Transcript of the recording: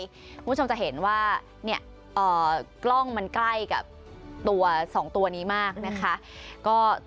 คุณผู้ชมจะเห็นว่าเนี่ยกล้องมันใกล้กับตัว๒ตัวนี้มากนะคะ